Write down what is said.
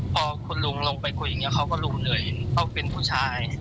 พอคุณลุงลงไปคุยอย่างนี้เขาก็ลุงเหนื่อยเห็นเขาเป็นผู้ชาย